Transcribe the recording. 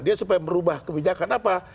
dia supaya merubah kebijakan apa